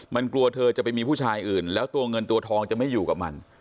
มันกลัวเธอจะไปมีผู้ชายอื่นแล้วตัวเงินตัวทองจะไม่อยู่กับมัน